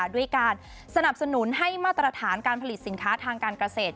ด้วยการสนับสนุนให้มาตรฐานการผลิตสินค้าทางการเกษตร